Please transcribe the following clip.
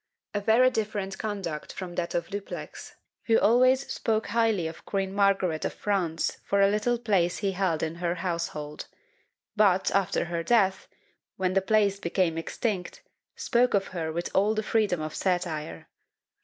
A very different conduct from that of Dupleix, who always spoke highly of Queen Margaret of France for a little place he held in her household: but after her death, when the place became extinct, spoke of her with all the freedom of satire.